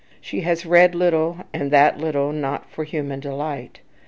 She has read little, and that little, not for "human delight."